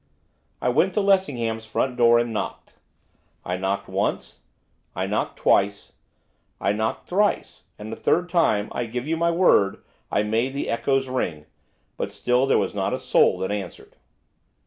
I went to Lessingham's front door and knocked, I knocked once, I knocked twice, I knocked thrice, and the third time, I give you my word, I made the echoes ring, but still there was not a soul that answered.